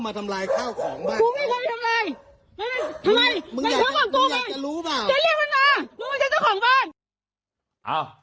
ไม่ใช่เจ้าของบ้าน